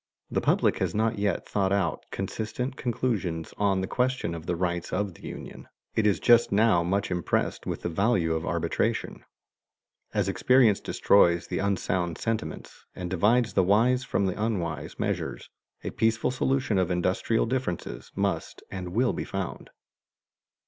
The public has not as yet thought out consistent conclusions on the question of the rights of the union. It is just now much impressed with the value of arbitration. As experience destroys the unsound sentiments, and divides the wise from the unwise measures, a peaceable solution of industrial differences must and will be found.